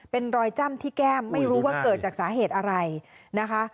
เป็นรอยจ้ำที่แก้มไม่รู้ว่าเกิดจากสาเหตุอะไรนะคะ